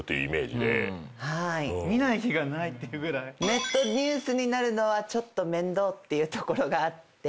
ネットニュースになるのはちょっと面倒っていうところがあって。